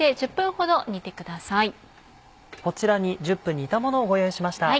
こちらに１０分煮たものをご用意しました。